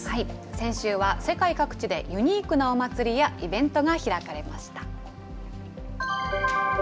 先週は世界各地でユニークなお祭りやイベントが開かれました。